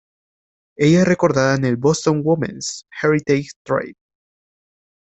Ella es recordada en el Boston Women's Heritage Trail.